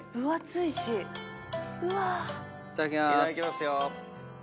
いただきますよ。